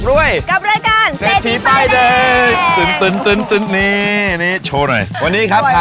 สวัสดีค่ะ